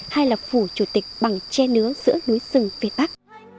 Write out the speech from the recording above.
hay là phủ chủ tịch bằng che nứa giữa núi sừng việt bắc